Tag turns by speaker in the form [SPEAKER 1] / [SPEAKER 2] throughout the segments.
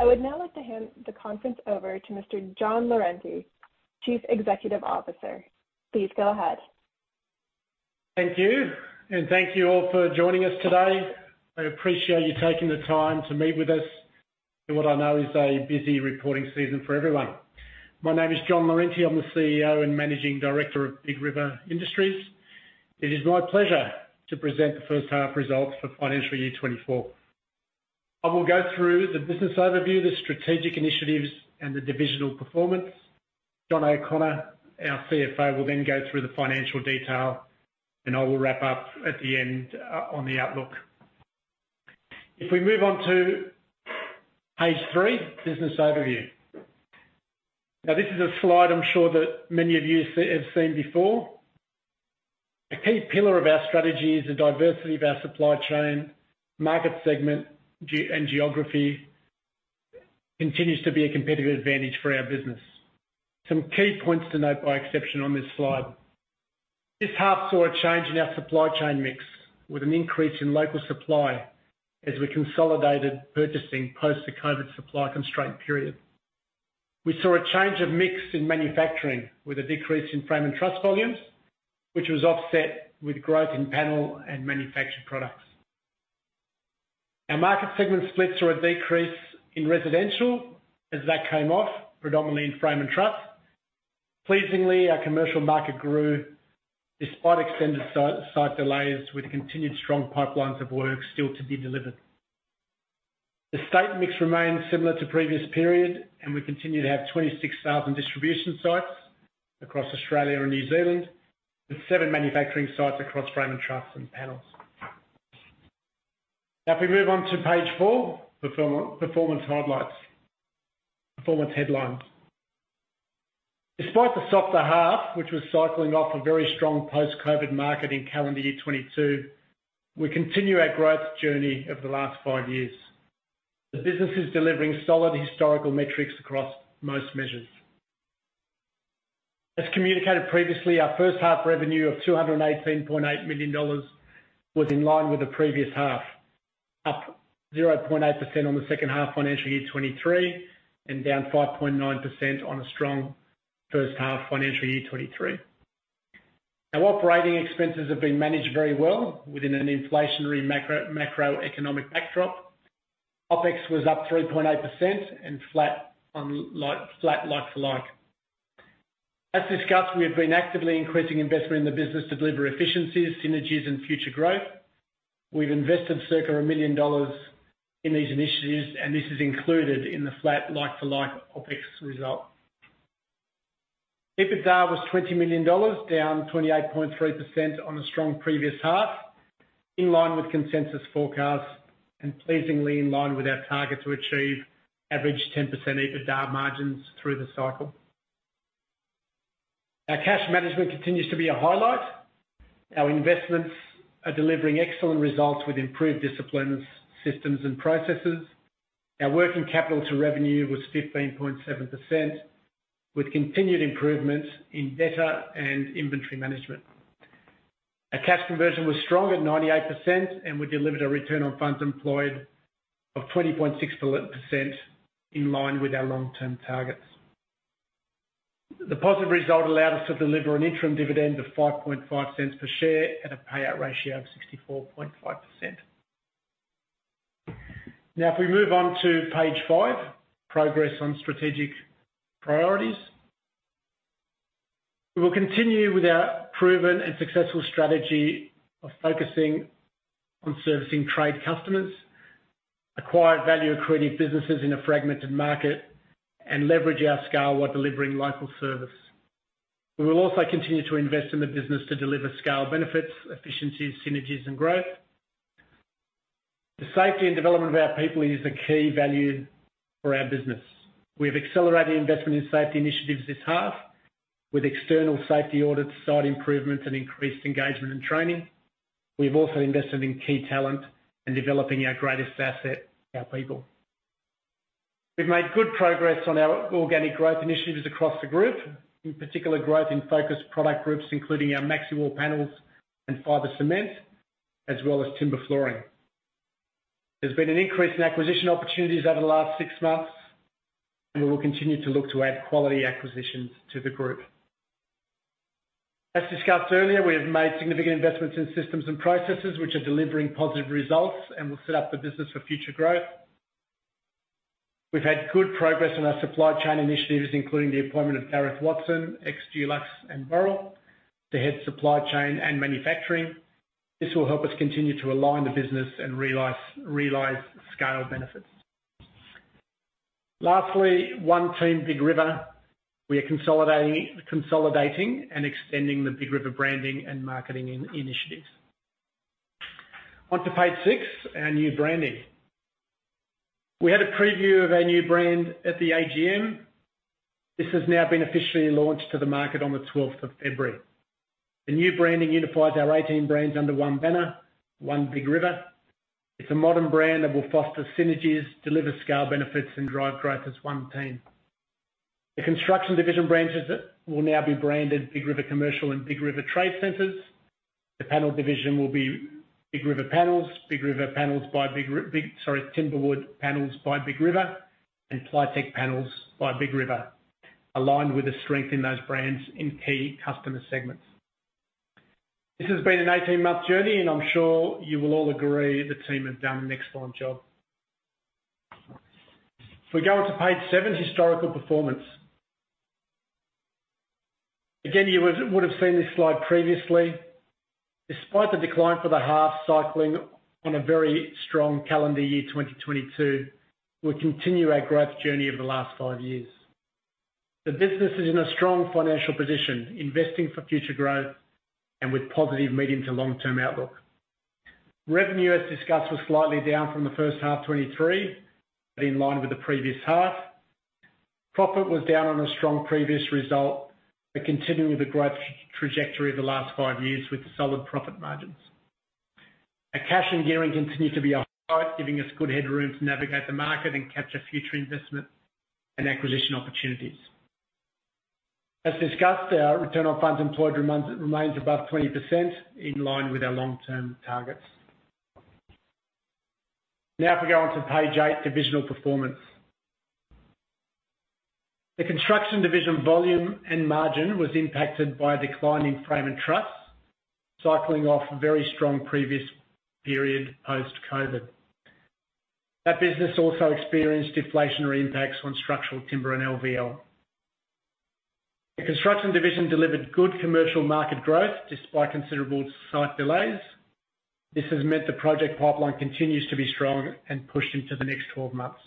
[SPEAKER 1] I would now like to hand the conference over to Mr. John Lorente, Chief Executive Officer. Please go ahead.
[SPEAKER 2] Thank you. Thank you all for joining us today. I appreciate you taking the time to meet with us in what I know is a busy reporting season for everyone. My name is John Lorente. I'm the CEO and Managing Director of Big River Industries. It is my pleasure to present the first half results for financial year 2024. I will go through the business overview, the strategic initiatives, and the divisional performance. John O'Connor, our CFO, will then go through the financial detail, and I will wrap up at the end on the outlook. If we move on to page 3, business overview. Now, this is a slide I'm sure that many of you have seen before. A key pillar of our strategy is the diversity of our supply chain, market segment, and geography continues to be a competitive advantage for our business. Some key points to note by exception on this slide. This half saw a change in our supply chain mix with an increase in local supply as we consolidated purchasing post-COVID supply constraint period. We saw a change of mix in manufacturing with a decrease in Frame and Truss volumes, which was offset with growth in panel and manufactured products. Our market segment splits saw a decrease in residential as that came off, predominantly in Frame and Truss. Pleasingly, our commercial market grew despite extended site delays with continued strong pipelines of work still to be delivered. The state mix remained similar to previous period, and we continue to have 26,000 distribution sites across Australia and New Zealand with seven manufacturing sites across Frame and Truss and panels. Now, if we move on to page 4, performance headlines. Despite the softer half, which was cycling off a very strong post-COVID market in calendar year 2022, we continue our growth journey of the last five years. The business is delivering solid historical metrics across most measures. As communicated previously, our first half revenue of 218.8 million dollars was in line with the previous half, up 0.8% on the second half financial year 2023 and down 5.9% on a strong first half financial year 2023. Our operating expenses have been managed very well within an inflationary macroeconomic backdrop. OpEx was up 3.8% and flat like for like. As discussed, we have been actively increasing investment in the business to deliver efficiencies, synergies, and future growth. We've invested circa 1 million dollars in these initiatives, and this is included in the flat like for like OpEx result. EBITDA was 20 million dollars, down 28.3% on a strong previous half, in line with consensus forecasts and pleasingly in line with our target to achieve average 10% EBITDA margins through the cycle. Our cash management continues to be a highlight. Our investments are delivering excellent results with improved disciplines, systems, and processes. Our working capital to revenue was 15.7% with continued improvements in debtor and inventory management. Our cash conversion was strong at 98%, and we delivered a return on funds employed of 20.6% in line with our long-term targets. The positive result allowed us to deliver an interim dividend of 0.055 per share at a payout ratio of 64.5%. Now, if we move on to page five, progress on strategic priorities. We will continue with our proven and successful strategy of focusing on servicing trade customers, acquire value-accretive businesses in a fragmented market, and leverage our scale while delivering local service. We will also continue to invest in the business to deliver scale benefits, efficiencies, synergies, and growth. The safety and development of our people is a key value for our business. We have accelerated investment in safety initiatives this half with external safety audits, site improvements, and increased engagement and training. We have also invested in key talent and developing our greatest asset, our people. We've made good progress on our organic growth initiatives across the group, in particular growth in focused product groups including our MaxiWall panels and fiber cement as well as timber flooring. There's been an increase in acquisition opportunities over the last six months, and we will continue to look to add quality acquisitions to the group. As discussed earlier, we have made significant investments in systems and processes which are delivering positive results and will set up the business for future growth. We've had good progress on our supply chain initiatives including the appointment of Gareth Watson, ex-Dulux and Boral to head supply chain and manufacturing. This will help us continue to align the business and realize scale benefits. Lastly, one team, Big River. We are consolidating and extending the Big River branding and marketing initiatives. Onto page 6, our new branding. We had a preview of our new brand at the EGM. This has now been officially launched to the market on the 12th of February. The new branding unifies our 18 brands under one banner, One Big River. It's a modern brand that will foster synergies, deliver scale benefits, and drive growth as one team. The construction division branches will now be branded Big River Commercial and Big River Trade Centers. The panel division will be Big River Panels, Big River Panels by Big sorry, Timberwood Panels by Big River, and Plytech Panels by Big River, aligned with the strength in those brands in key customer segments. This has been an 18 month journey, and I'm sure you will all agree the team have done an excellent job. If we go onto page seven, historical performance. Again, you would have seen this slide previously. Despite the decline for the half, cycling on a very strong calendar year 2022, we continue our growth journey over the last five years. The business is in a strong financial position, investing for future growth and with positive medium to long-term outlook. Revenue, as discussed, was slightly down from the first half 2023 but in line with the previous half. Profit was down on a strong previous result but continuing with a growth trajectory over the last five years with solid profit margins. Our cash and gearing continue to be a highlight, giving us good headroom to navigate the market and catch future investment and acquisition opportunities. As discussed, our return on funds employed remains above 20% in line with our long-term targets. Now, if we go on to page eight, divisional performance. The construction division volume and margin was impacted by a decline in Frame and Truss, cycling off a very strong previous period post-COVID. That business also experienced deflationary impacts on structural timber and LVL. The construction division delivered good commercial market growth despite considerable site delays. This has meant the project pipeline continues to be strong and pushed into the next 12 months.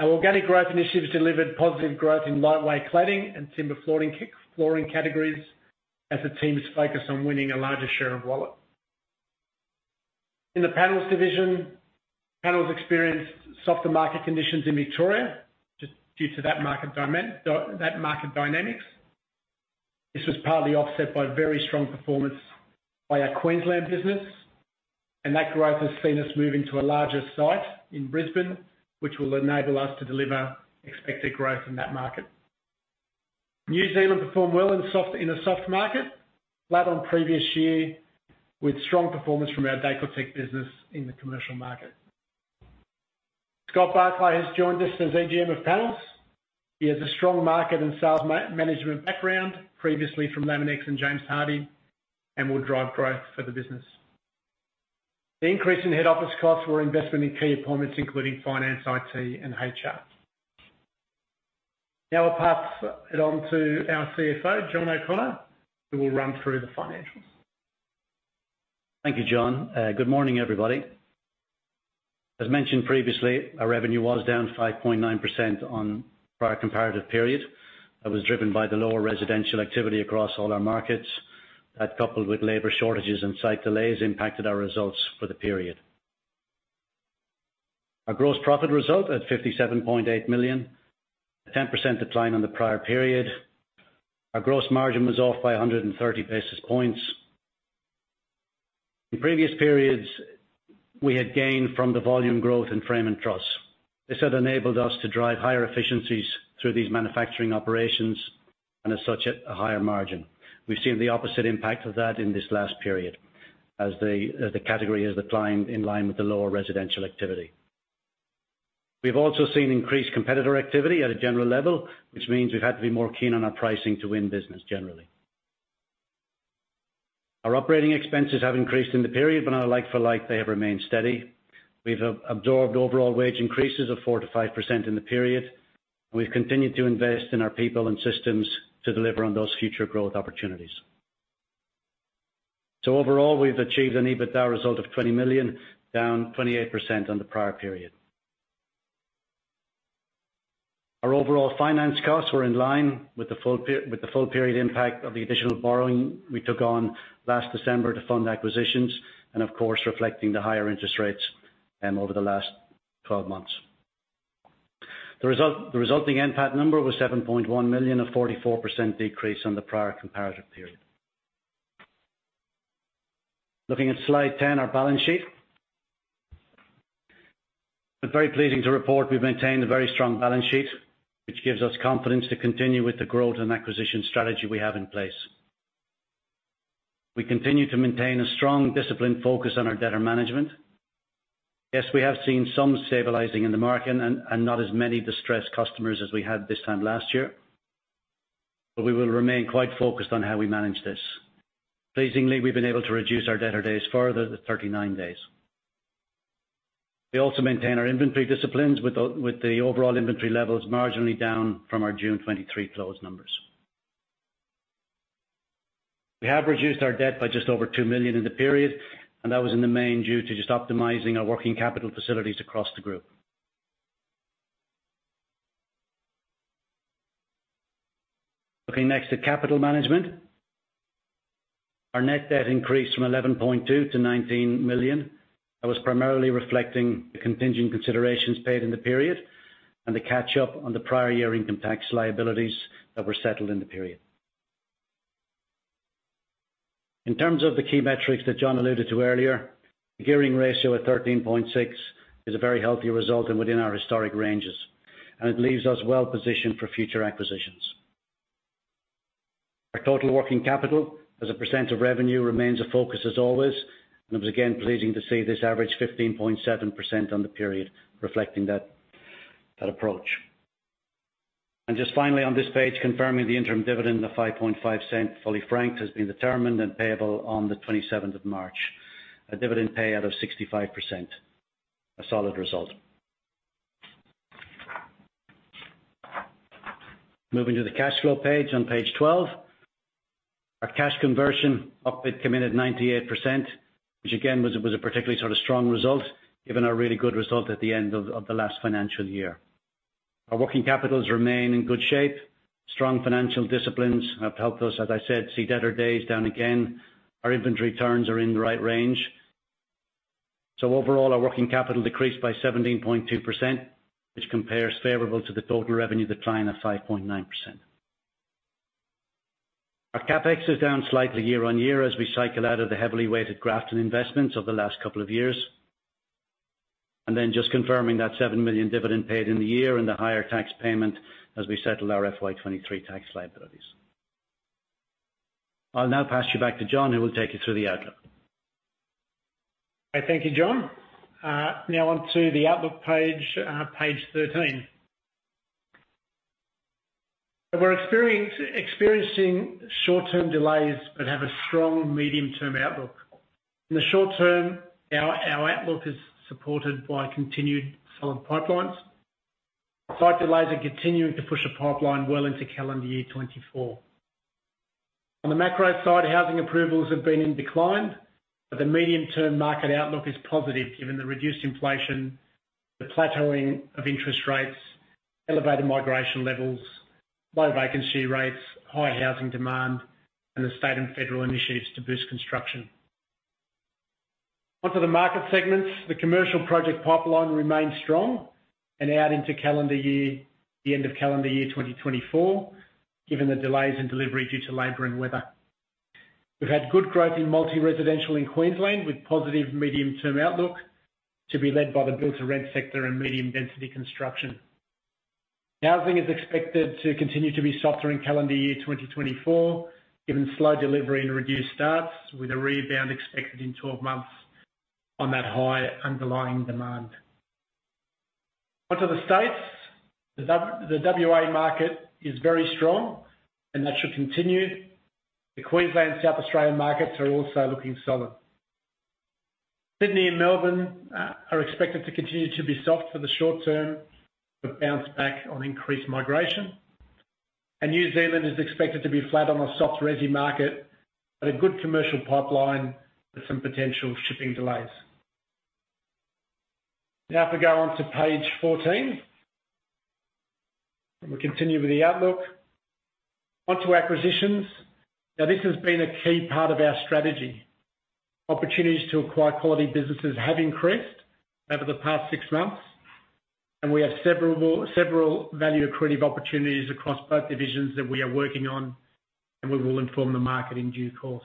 [SPEAKER 2] Our organic growth initiatives delivered positive growth in lightweight cladding and timber flooring categories as the team's focus on winning a larger share of wallet. In the panels division, panels experienced softer market conditions in Victoria due to that market dynamics. This was partly offset by very strong performance by our Queensland business, and that growth has seen us move into a larger site in Brisbane, which will enable us to deliver expected growth in that market. New Zealand performed well in a soft market, flat on previous year with strong performance from our Decortech business in the commercial market. Scott Barclay has joined us as AGM of panels. He has a strong market and sales management background, previously from Laminex and James Hardie, and will drive growth for the business. The increase in head office costs were investment in key appointments including finance, IT, and HR. Now, I'll pass it on to our CFO, John O'Connor, who will run through the financials.
[SPEAKER 3] Thank you, John. Good morning, everybody. As mentioned previously, our revenue was down 5.9% on prior comparative period. That was driven by the lower residential activity across all our markets. That coupled with labor shortages and site delays impacted our results for the period. Our gross profit result at 57.8 million, a 10% decline on the prior period. Our gross margin was off by 130 basis points. In previous periods, we had gained from the volume growth in Frame and Truss. This had enabled us to drive higher efficiencies through these manufacturing operations and, as such, a higher margin. We've seen the opposite impact of that in this last period as the category has declined in line with the lower residential activity. We've also seen increased competitor activity at a general level, which means we've had to be more keen on our pricing to win business generally. Our operating expenses have increased in the period, but on a like for like, they have remained steady. We've absorbed overall wage increases of 4%-5% in the period, and we've continued to invest in our people and systems to deliver on those future growth opportunities. So overall, we've achieved an EBITDA result of 20 million, down 28% on the prior period. Our overall finance costs were in line with the full period impact of the additional borrowing we took on last December to fund acquisitions and, of course, reflecting the higher interest rates over the last 12 months. The resulting NPAT number was 7.1 million, a 44% decrease on the prior comparative period. Looking at slide 10, our balance sheet. It's very pleasing to report we've maintained a very strong balance sheet, which gives us confidence to continue with the growth and acquisition strategy we have in place. We continue to maintain a strong disciplined focus on our debtor management. Yes, we have seen some stabilizing in the market and not as many distressed customers as we had this time last year, but we will remain quite focused on how we manage this. Pleasingly, we've been able to reduce our debtor days further to 39 days. We also maintain our inventory disciplines with the overall inventory levels marginally down from our June 2023 closed numbers. We have reduced our debt by just over 2 million in the period, and that was in the main due to just optimizing our working capital facilities across the group. Looking next at capital management. Our net debt increased from 11.2 million to 19 million. That was primarily reflecting the contingent considerations paid in the period and the catch-up on the prior year income tax liabilities that were settled in the period. In terms of the key metrics that John alluded to earlier, the gearing ratio at 13.6 is a very healthy result and within our historic ranges, and it leaves us well-positioned for future acquisitions. Our total working capital as a percent of revenue remains a focus as always, and it was again pleasing to see this average 15.7% on the period reflecting that approach. And just finally on this page, confirming the interim dividend of 0.055, fully franked, has been determined and payable on the 27th of March, a dividend payout of 65%. A solid result. Moving to the cash flow page, on page 12, our cash conversion cycle beat commitment 98%, which again was a particularly sort of strong result given our really good result at the end of the last financial year. Our working capital remains in good shape. Strong financial disciplines have helped us, as I said, see debtor days down again. Our inventory turns are in the right range. So overall, our working capital decreased by 17.2%, which compares favorably to the total revenue decline of 5.9%. Our CapEx is down slightly year-on-year as we cycle out of the heavily weighted Grafton investments of the last couple of years. And then just confirming that 7 million dividend paid in the year and the higher tax payment as we settle our FY 2023 tax liabilities. I'll now pass you back to John, who will take you through the outlook.
[SPEAKER 2] All right. Thank you, John. Now onto the outlook page, page 13. We're experiencing short-term delays but have a strong medium-term outlook. In the short term, our outlook is supported by continued solid pipelines. Site delays are continuing to push a pipeline well into calendar year 2024. On the macro side, housing approvals have been in decline, but the medium-term market outlook is positive given the reduced inflation, the plateauing of interest rates, elevated migration levels, low vacancy rates, high housing demand, and the state and federal initiatives to boost construction. Onto the market segments. The commercial project pipeline remains strong and out into calendar year, the end of calendar year 2024, given the delays in delivery due to labor and weather. We've had good growth in multi-residential in Queensland with positive medium-term outlook to be led by the built-to-rent sector and medium-density construction. Housing is expected to continue to be softer in calendar year 2024 given slow delivery and reduced starts with a rebound expected in 12 months on that high underlying demand. Onto the states. The WA market is very strong, and that should continue. The Queensland and South Australian markets are also looking solid. Sydney and Melbourne are expected to continue to be soft for the short term but bounce back on increased migration. And New Zealand is expected to be flat on a soft resi market but a good commercial pipeline with some potential shipping delays. Now, if we go onto page 14, and we continue with the outlook. Onto acquisitions. Now, this has been a key part of our strategy. Opportunities to acquire quality businesses have increased over the past six months, and we have several value accretive opportunities across both divisions that we are working on, and we will inform the market in due course.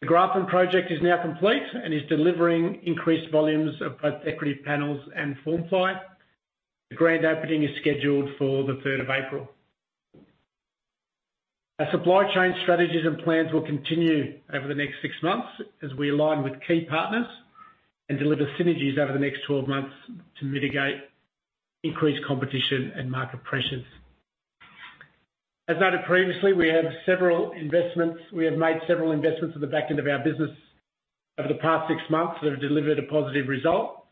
[SPEAKER 2] The Grafton project is now complete and is delivering increased volumes of both Decortech Panels and Formply. The grand opening is scheduled for the 3rd of April. Our supply chain strategies and plans will continue over the next six months as we align with key partners and deliver synergies over the next 12 months to mitigate increased competition and market pressures. As noted previously, we have made several investments at the back end of our business over the past six months that have delivered a positive result.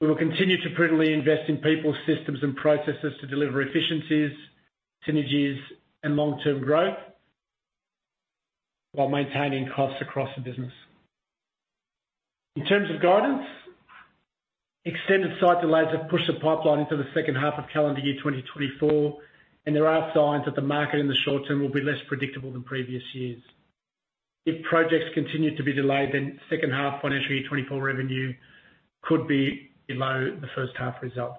[SPEAKER 2] We will continue to prudently invest in people, systems, and processes to deliver efficiencies, synergies, and long-term growth while maintaining costs across the business. In terms of guidance, extended site delays have pushed a pipeline into the second half of calendar year 2024, and there are signs that the market in the short term will be less predictable than previous years. If projects continue to be delayed, then second half financial year 2024 revenue could be below the first half result.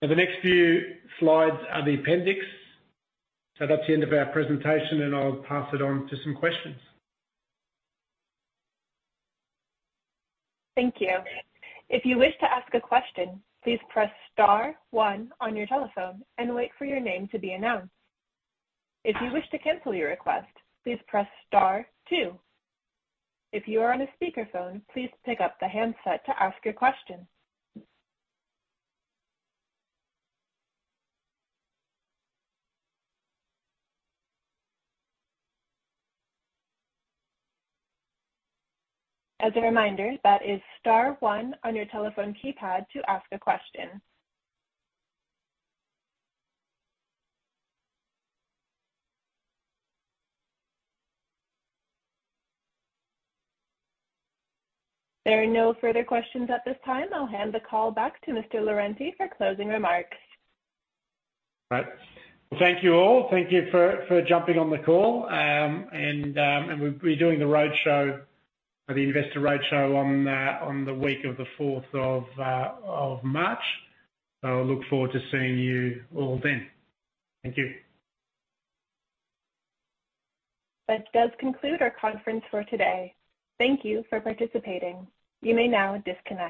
[SPEAKER 2] Now, the next few slides are the appendix. So that's the end of our presentation, and I'll pass it on to some questions.
[SPEAKER 1] Thank you. If you wish to ask a question, please press star one on your telephone and wait for your name to be announced. If you wish to cancel your request, please press star two. If you are on a speakerphone, please pick up the handset to ask your question. As a reminder, that is star one on your telephone keypad to ask a question. There are no further questions at this time. I'll hand the call back to Mr. Lorente for closing remarks.
[SPEAKER 2] Right. Well, thank you all. Thank you for jumping on the call. We'll be doing the roadshow, the investor roadshow, on the week of the 4th of March. I look forward to seeing you all then. Thank you.
[SPEAKER 1] This does conclude our conference for today. Thank you for participating. You may now disconnect.